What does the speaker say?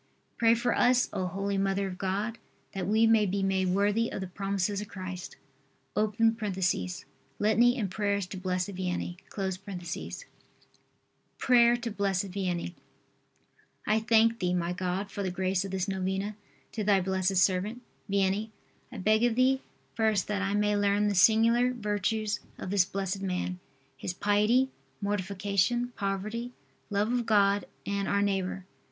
Pray for us, O holy Mother of God, that we may be worthy of the promises of Christ. [Litany and prayers to Blessed Vianney.] PRAYER TO BLESSED VIANNEY. I thank Thee, my God, for the grace of this novena to Thy blessed servant, Vianney. I beg of Thee, first, that I may learn the singular virtues of this blessed man his piety, mortification, poverty, love of God and our neighbor.